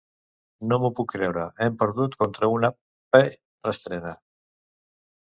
No m'ho puc creure; hem perdut contra una p------ reestrena!